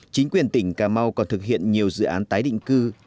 chính quyền tỉnh cà mau còn thực hiện nhiều dự án tái định cư